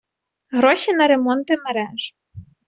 Гроші на ремонти мереж